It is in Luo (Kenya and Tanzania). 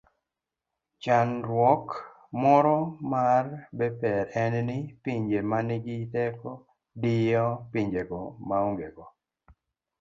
chandruok moro mar Bepar en ni pinye manigi teko diyo pinyego maongego